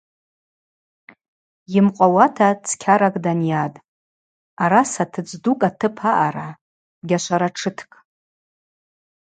Йымкъвауата цкьаракӏ данйатӏ – араса тыдздукӏ атып аъара гьашваратшыткӏ.